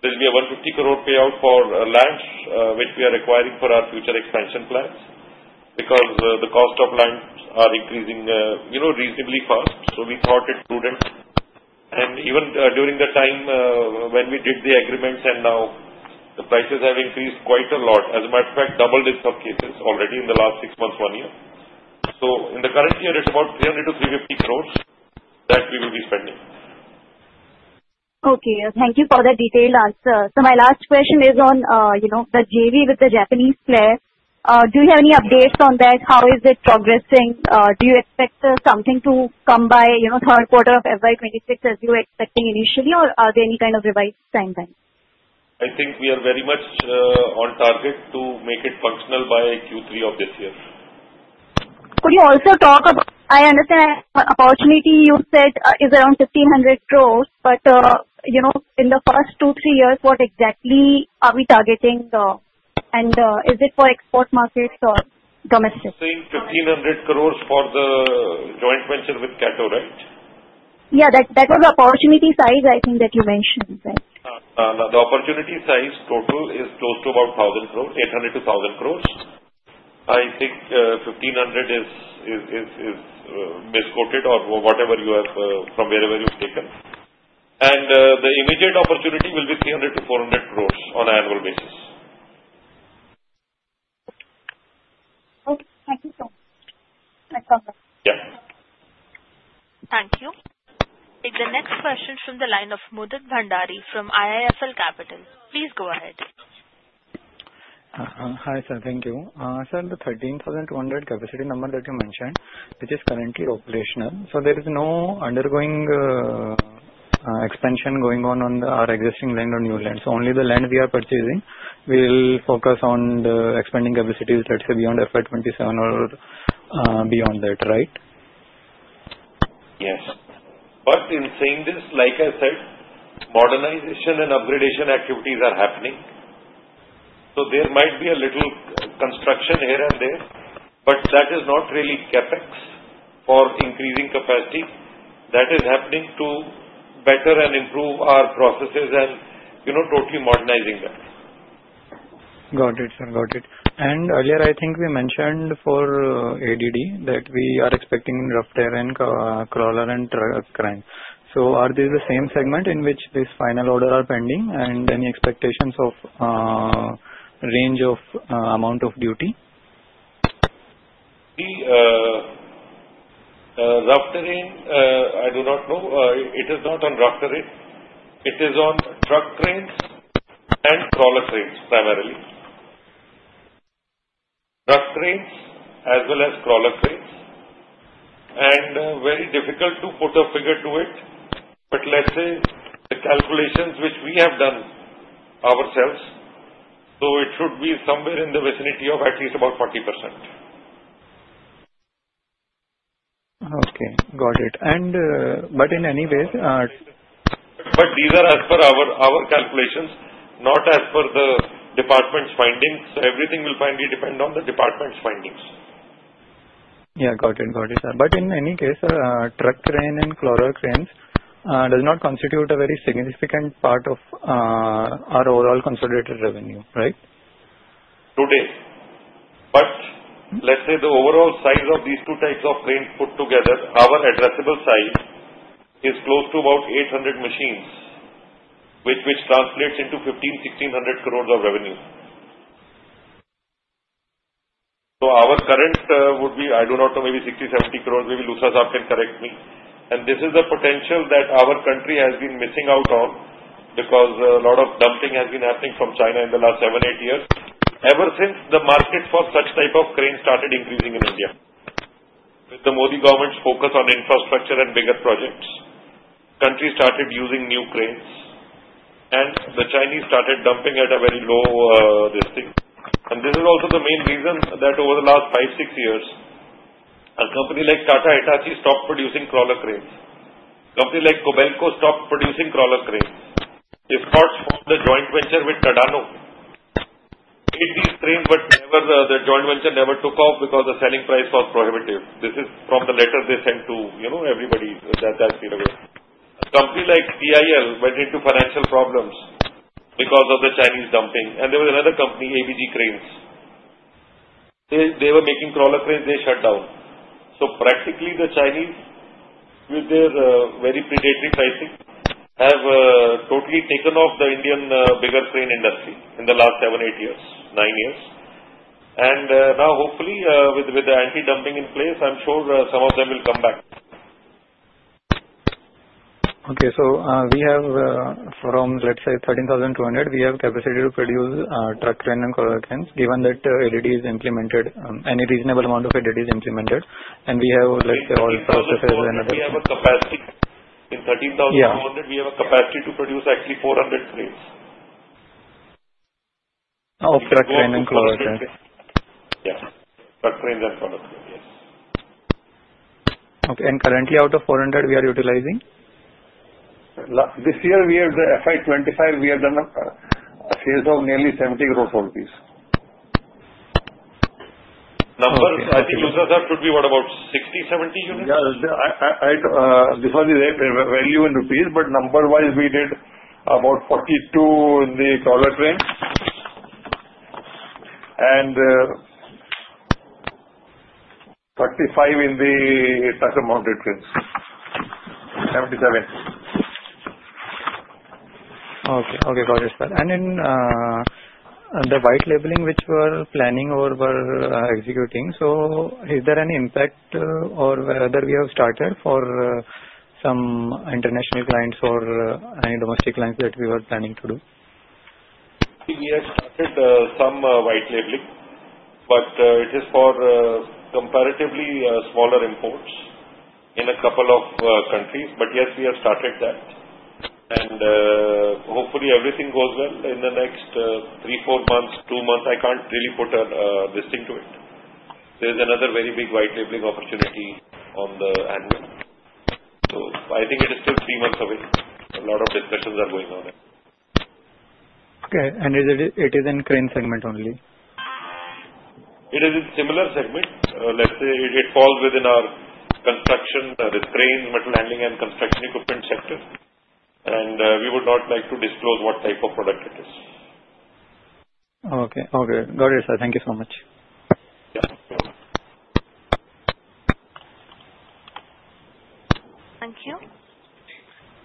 There will be an 150 crore payout for land which we are acquiring for our future expansion plans because the cost of land are increasing reasonably fast. We thought it prudent. Even during the time when we did the agreements and now, the prices have increased quite a lot. As a matter of fact, doubled in some cases already in the last six months, one year. In the current year, it is about 300-350 crore that we will be spending. Okay. Thank you for the detailed answer. My last question is on the JV with the Japanese player. Do you have any updates on that? How is it progressing? Do you expect something to come by third quarter of FY 2026 as you were expecting initially, or are there any kind of revised timeline? I think we are very much on target to make it functional by Q3 of this year. Could you also talk about, I understand the opportunity you said is around 1,500 crore, but in the first two, three years, what exactly are we targeting, and is it for export markets or domestic? Saying 1,500 crores for the joint venture with Kato, right? Yeah. That was the opportunity size, I think, that you mentioned, right? The opportunity size total is close to about 1,000 crore, 800-1,000 crore. I think 1,500 crore is misquoted or whatever you have from wherever you've taken. The immediate opportunity will be 300-400 crore on an annual basis. Okay. Thank you so much. Yeah. Thank you. Take the next question from the line of Mudit Bhandari from IIFL Capital. Please go ahead. Hi, sir. Thank you. Sir, the 13,200 capacity number that you mentioned, which is currently operational, so there is no undergoing expansion going on on our existing land or new land. Only the land we are purchasing will focus on the expanding capacities, let's say, beyond FY 2027 or beyond that, right? Yes. In saying this, like I said, modernization and upgradation activities are happening. There might be a little construction here and there, but that is not really CapEx for increasing capacity. That is happening to better and improve our processes and totally modernizing that. Got it, sir. Got it. Earlier, I think we mentioned for ADD that we are expecting rough terrain, crawler, and truck crane. Are these the same segment in which these final orders are pending, and any expectations of range of amount of duty? Rough terrain, I do not know. It is not on rough terrain. It is on truck cranes and crawler cranes primarily. Rough cranes as well as crawler cranes. Very difficult to put a figure to it, but let's say the calculations which we have done ourselves, it should be somewhere in the vicinity of at least about 40%. Okay. Got it. In any way. These are as per our calculations, not as per the department's findings. Everything will finally depend on the department's findings. Yeah. Got it. Got it, sir. In any case, truck cranes and crawler cranes do not constitute a very significant part of our overall considered revenue, right? Today. Let's say the overall size of these two types of cranes put together, our addressable size is close to about 800 machines, which translates into 1,500-1,600 crore of revenue. Our current would be, I do not know, maybe 60-70 crore. Maybe Luthra Sahib can correct me. This is the potential that our country has been missing out on because a lot of dumping has been happening from China in the last seven or eight years, ever since the market for such type of cranes started increasing in India. With the Modi government's focus on infrastructure and bigger projects, countries started using new cranes, and the Chinese started dumping at a very low this thing. This is also the main reason that over the last five or six years, a company like Tata Hitachi stopped producing crawler cranes. A company like Kobelco stopped producing crawler cranes. If not for the joint venture with Kato Works, made these cranes, but the joint venture never took off because the selling price was prohibitive. This is from the letter they sent to everybody. That's it. A company like TIL went into financial problems because of the Chinese dumping. There was another company, ABG Cranes. They were making crawler cranes. They shut down. Practically, the Chinese, with their very predatory pricing, have totally taken off the Indian bigger crane industry in the last seven, eight years, nine years. Now, hopefully, with the anti-dumping in place, I'm sure some of them will come back. Okay. So we have from, let's say, 13,200, we have capacity to produce truck crane and crawler cranes, given that any reasonable amount of anti-dumping duty is implemented. And we have, let's say, all processes and other. Yeah. We have a capacity in 13,200. We have a capacity to produce actually 400 cranes. Of truck cranes and crawler cranes. Yeah. Truck cranes and crawler cranes, yes. Okay. Currently, out of 400, we are utilizing? This year, we have the FY2025, we have done a sales of nearly 70 crore. I think Luthra Sahib should be what, about 60-70 units? Before, we were valuing in rupees, but number-wise, we did about 42 in the crawler cranes and 35 in the truck-mounted cranes. Seventy-seven. Okay. Okay. Got it, sir. Then the white labeling which we were planning or were executing, is there any impact or whether we have started for some international clients or any domestic clients that we were planning to do? We have started some white labeling, but it is for comparatively smaller imports in a couple of countries. Yes, we have started that. Hopefully, everything goes well in the next three-four months, two months. I cannot really put a listing to it. There is another very big white labeling opportunity on the annual. I think it is still three months away. A lot of discussions are going on. Okay. Is it in crane segment only? It is in similar segment. Let's say it falls within our construction, with cranes, material handling, and construction equipment sector. We would not like to disclose what type of product it is. Okay. Okay. Got it, sir. Thank you so much. Yeah. Thank you.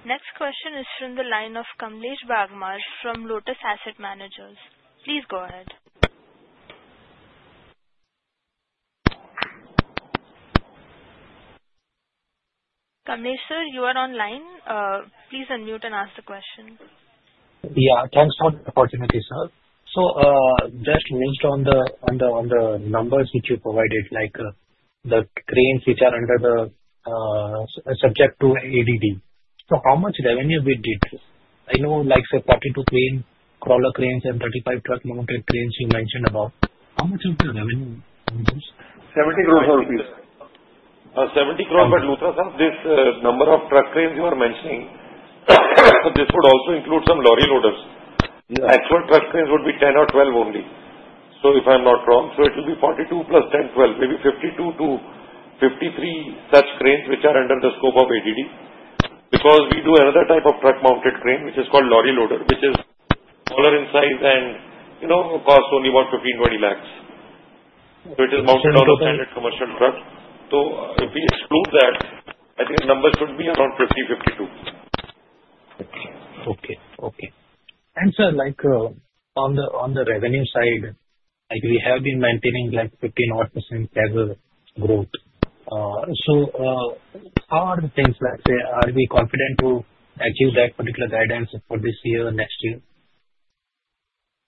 Next question is from the line of Kamlesh Bagmar from Lotus Asset Management. Please go ahead. Kamlesh sir, you are online. Please unmute and ask the question. Yeah. Thanks for the opportunity, sir. Just based on the numbers which you provided, like the cranes which are subject to ADD, how much revenue did you? I know, like I said, 42 cranes, crawler cranes, and 35 truck-mounted cranes you mentioned about. How much is the revenue on this? 70 crore rupees. 70 crore rupees, but Luthra Sahib, this number of truck cranes you are mentioning, this would also include some lorry loaders. Actual truck cranes would be 10 or 12 only, if I'm not wrong. It will be 42 plus 10-12, maybe 52-53 such cranes which are under the scope of ADD because we do another type of truck-mounted crane which is called lorry loader, which is smaller in size and costs only about 1.5-2 million. It is mounted on a standard commercial truck. If we exclude that, I think the number should be around 50-52. Okay. Okay. Okay. Sir, on the revenue side, we have been maintaining 15% as a growth. How are the things? Let's say, are we confident to achieve that particular guidance for this year, next year?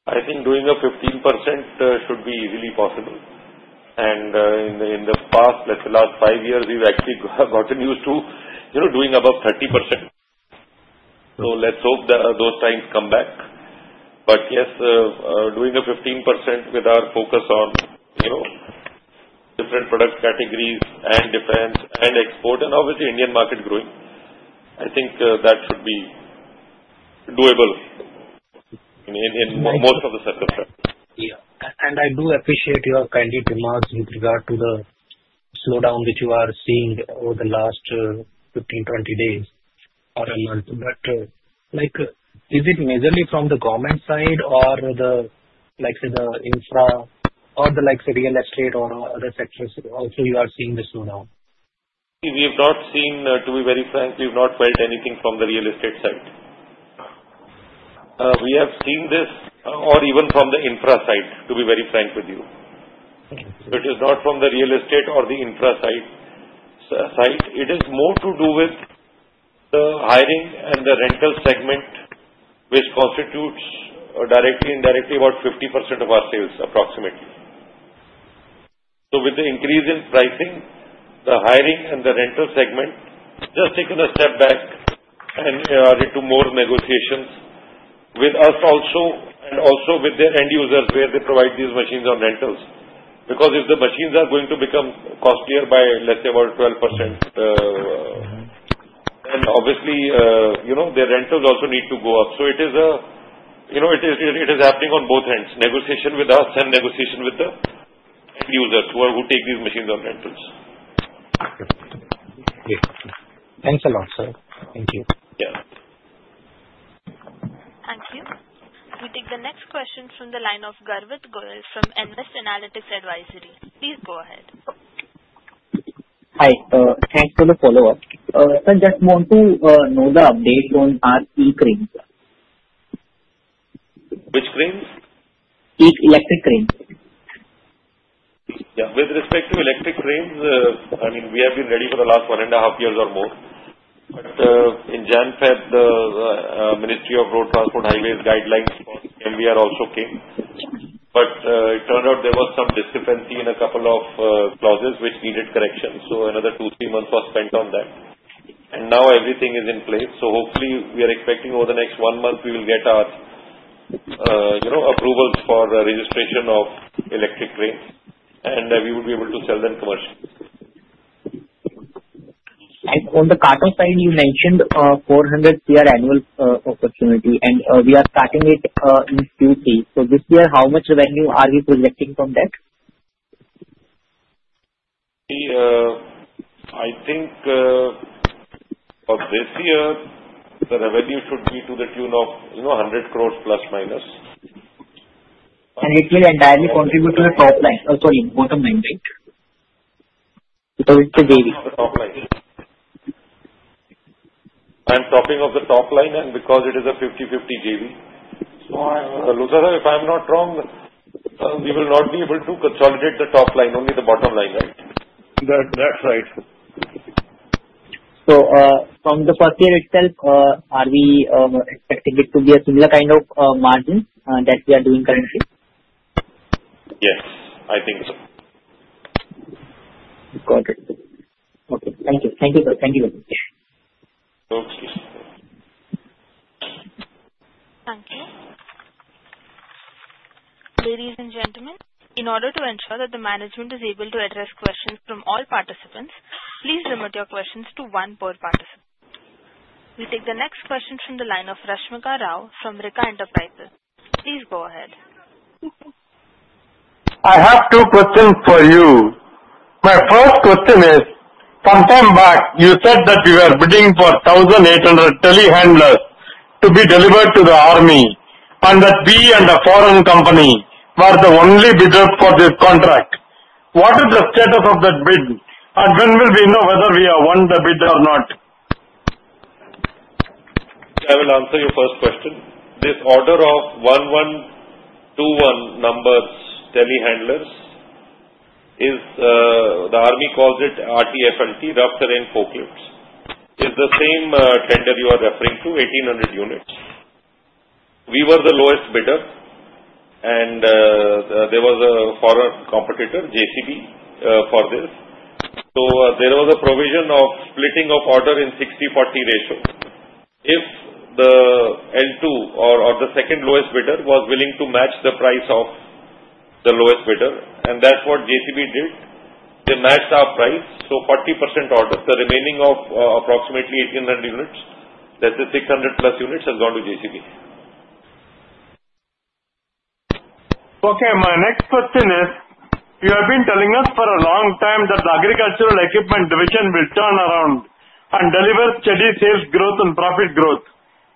I think doing a 15% should be easily possible. In the past, let's say, the last five years, we've actually gotten used to doing about 30%. Let's hope that those times come back. Yes, doing a 15% with our focus on different product categories and defense and export, and obviously, Indian market growing, I think that should be doable in most of the circumstances. Yeah. I do appreciate your kindly remarks with regard to the slowdown which you are seeing over the last 15-20 days or a month. Is it majorly from the government side or the, let's say, the infra or the real estate or other sectors also you are seeing the slowdown? We have not seen, to be very frank, we have not felt anything from the real estate side. We have seen this or even from the infra side, to be very frank with you. It is not from the real estate or the infra side. It is more to do with the hiring and the rental segment, which constitutes directly and indirectly about 50% of our sales, approximately. With the increase in pricing, the hiring and the rental segment just taken a step back and into more negotiations with us also and also with the end users where they provide these machines on rentals. Because if the machines are going to become costlier by, let's say, about 12%, then obviously, the rentals also need to go up. It is happening on both ends, negotiation with us and negotiation with the end users who take these machines on rentals. Okay. Okay. Thanks a lot, sir. Thank you. Yeah. Thank you. We take the next question from the line of Garvit Goyal from Nvest Analytics Advisory. Please go ahead. Hi. Thanks for the follow-up. Sir, just want to know the update on our E-Cranes. Which cranes? Electric cranes. Yeah. With respect to electric cranes, I mean, we have been ready for the last one and a half years or more. In January and February, the Ministry of Road, Transport, Highways guidelines for EMVR also came. It turned out there was some discrepancy in a couple of clauses which needed correction. Another two-three months were spent on that. Now everything is in place. Hopefully, we are expecting over the next one month, we will get our approvals for registration of electric cranes, and we will be able to sell them commercially. On the Kato side, you mentioned 400 per annual opportunity, and we are starting it in Q3. This year, how much revenue are we projecting from that? I think for this year, the revenue should be to the tune of 100 crore plus minus. It will entirely contribute to the top line—sorry, bottom line, right? Because it's a JV. Of the top line. I'm talking of the top line, and because it is a 50/50 JV. So Luthra Sahib, if I'm not wrong, we will not be able to consolidate the top line, only the bottom line, right? That's right. From the first year itself, are we expecting it to be a similar kind of margin that we are doing currently? Yes. I think so. Got it. Okay. Thank you. Thank you, sir. Thank you very much. Okay. Thank you. Ladies and gentlemen, in order to ensure that the management is able to address questions from all participants, please limit your questions to one per participant. We take the next question from the line of Rashmika Rao from RICA Enterprises. Please go ahead. I have two questions for you. My first question is, some time back, you said that you were bidding for 1,800 telehandlers to be delivered to the army and that Bid and a foreign company were the only bidder for this contract. What is the status of that bid? When will we know whether we have won the bid or not? I will answer your first question. This order of 1,121 numbers telehandlers, the army calls it RTFLT, Rough Terrain Forklifts, is the same tender you are referring to, 1,800 units. We were the lowest bidder, and there was a foreign competitor, JCB, for this. There was a provision of splitting of order in 60/40 ratio. If the L2 or the second lowest bidder was willing to match the price of the lowest bidder, and that is what JCB did, they matched our price, so 40% order. The remaining of approximately 1,800 units, let's say 600 plus units, has gone to JCB. Okay. My next question is, you have been telling us for a long time that the Agricultural Equipment Division will turn around and deliver steady sales growth and profit growth,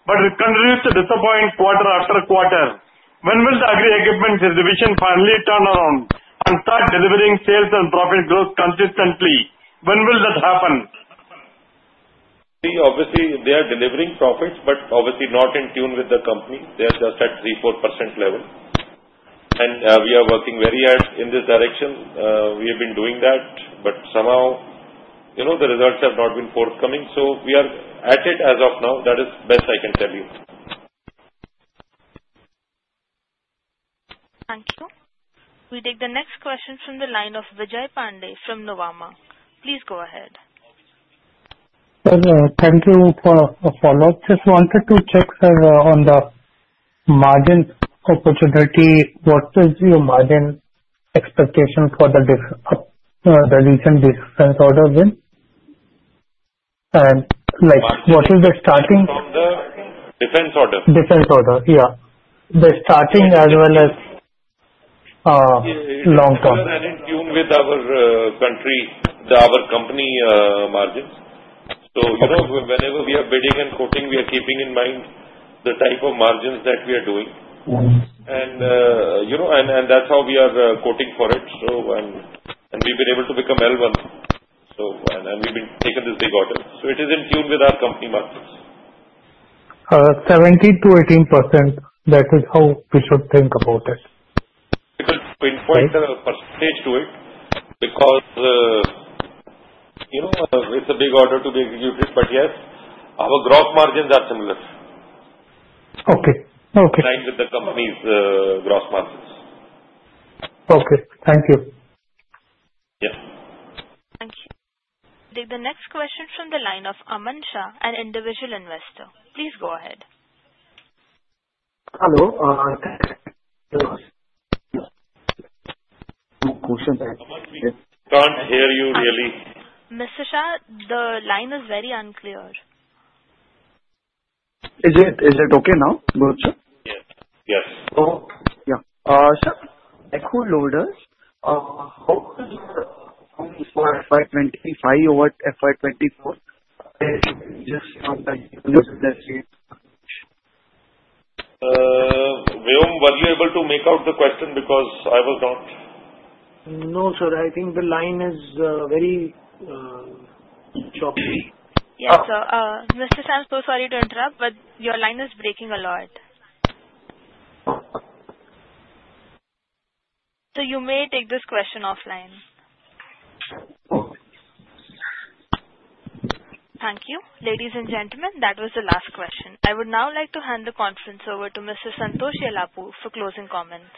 but it continues to disappoint quarter after quarter. When will the Agri Equipment Division finally turn around and start delivering sales and profit growth consistently? When will that happen? Obviously, they are delivering profits, but obviously not in tune with the company. They are just at 3-4% level. We are working very hard in this direction. We have been doing that, but somehow the results have not been forthcoming. We are at it as of now. That is best I can tell you. Thank you. We take the next question from the line of Vijay Pandey from Nuvama. Please go ahead. Thank you for the follow-up. Just wanted to check, sir, on the margin opportunity. What is your margin expectation for the recent defense order win? What is the starting? Defense order. Defense order. Yeah. The starting as well as long term. It is in tune with our country, our company margins. Whenever we are bidding and quoting, we are keeping in mind the type of margins that we are doing. That is how we are quoting for it. We have been able to become L1. We have been taking this big order. It is in tune with our company margins. 17%-18%, that is how we should think about it. We could pinpoint the percentage to it because it's a big order to be executed. Yes, our gross margins are similar in line with the company's gross margins. Okay. Thank you. Yeah. Thank you. We take the next question from the line of Aman Shah, an individual investor. Please go ahead. Hello. Can't hear you really. Mr. Shah, the line is very unclear. Is it okay now, Luthra Sahib? Yes. Yes. Yeah. Sir, Echo Loader, how could you use for FY 2025 or FY 2024? Were you able to make out the question? Because I was not. No, sir. I think the line is very choppy. Sir, Mr. Shah, I'm so sorry to interrupt, but your line is breaking a lot. You may take this question offline. Thank you. Ladies and gentlemen, that was the last question. I would now like to hand the conference over to Mr. Santosh Yallapur for closing comments.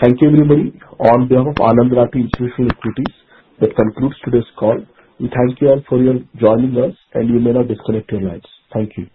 Thank you, everybody. On behalf of Anand Rathi Institutional Equities, that concludes today's call. We thank you all for joining us, and you may now disconnect your lines. Thank you.